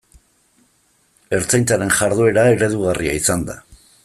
Ertzaintzaren jarduera eredugarria izan da.